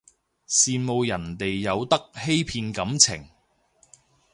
羨慕人哋有得欺騙感情